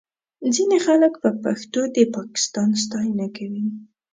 ځینې خلک په پښتو د پاکستان ستاینه کوي